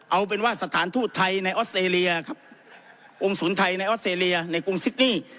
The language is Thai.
เอาเป็นว่าสถานทูตไทยในออสเตรเลียครับองค์ศูนย์ไทยในออสเตรเลียในกรุงซิดนี่